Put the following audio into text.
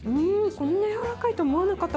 こんなやわらかいと思わなかった！